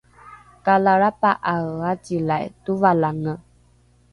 kalalrapa’ae acilai tovalange